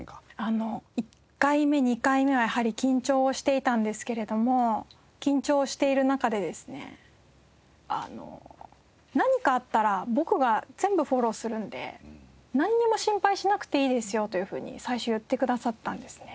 １回目２回目はやはり緊張していたんですけれども緊張している中でですね何かあったら僕が全部フォローするんでなんにも心配しなくていいですよというふうに最初言ってくださったんですね。